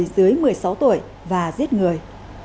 các hành vi hiếp dâm người dưới một mươi sáu tuổi và giết người